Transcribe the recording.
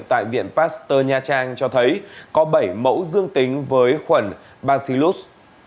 tại viện pasteur nha trang cho thấy có bảy mẫu dương tính với khuẩn bacillus